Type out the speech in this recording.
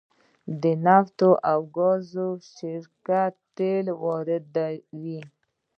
د نفت او ګاز شرکت تیل واردوي